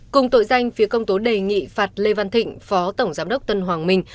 cùng tội danh phía công tố đề nghị phạt lê văn thịnh phó tổng giám đốc tân hoàng minh